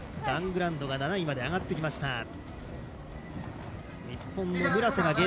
ラングランド７位まで上がってきました。